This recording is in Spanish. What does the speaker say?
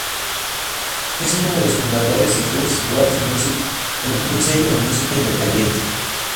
Es uno de los fundadores de First World Music, un sello de música independiente.